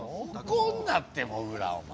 怒んなってもぐらお前。